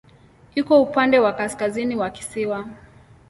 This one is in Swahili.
Iko upande wa kaskazini wa kisiwa.